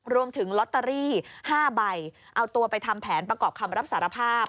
รวมถึงลอตเตอรี่๕ใบเอาตัวไปทำแผนประกอบคำรับสารภาพ